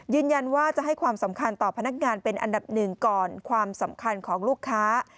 ยืนยันว่าจะให้ความสำคัญต่อพนักงานเป็นอันดับหนึ่งก่อนความสำคัญของลูกค้า